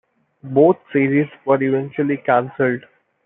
Both series were eventually cancelled.